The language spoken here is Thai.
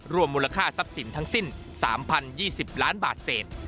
รวมมูลค่าทรัพย์สินทั้งสิ้น๓๐๒๐ล้านบาทเศษ